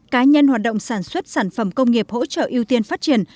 cá nhân hoạt động sản xuất sản phẩm công nghiệp hỗ trợ ưu tiên phát triển